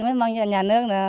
mới mong nhà nước